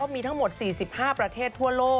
มีทั้งหมด๔๕ประเทศทั่วโลก